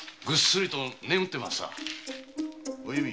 ぐっすりと眠ってまさあ。